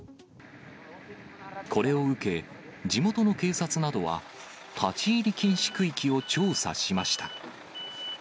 これを受け、地元の警察などは立ち入り禁止区域を調査しました。